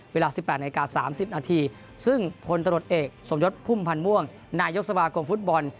เวลา๑๘นาที๓๐นาทีซึ่งคนตะรดเอกสมยดพุ่มพันม่วงนายกษัตริย์กรมฟุตบอล